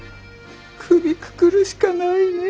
首くくるしかないね。